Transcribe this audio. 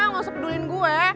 gak usah pedulin gue